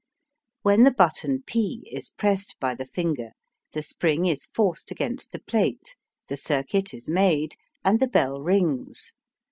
When the button P is pressed by the finger the spring is forced against the plate, the circuit is made, and the bell rings.